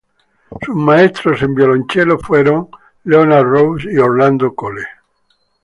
Sus maestros en violonchelo fueron Leonard Rose y Orlando Cole.